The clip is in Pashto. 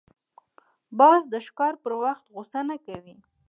باز د ښکار پر وخت غوسه نه کوي